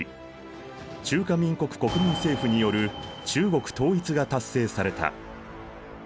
中華民国国民政府による中国統一が達成された。